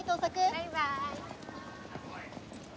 バイバーイ！